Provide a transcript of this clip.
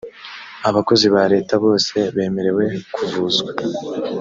abakozi ba leta bose bemerewe kuvuzwa